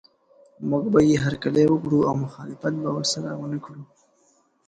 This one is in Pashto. موږ به یې هرکلی وکړو او مخالفت به ورسره ونه کړو.